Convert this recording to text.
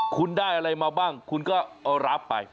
คุณได้อะไรมาบ้างคุณก็รับไป